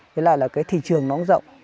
với lại là cái thị trường nó cũng rộng